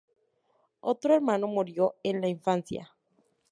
Otro hermano murió en la infancia.